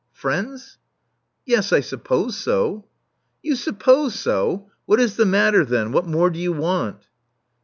•* Friends? Yes, I suppose so." You suppose so ! What is the matter, then? What more do you want?"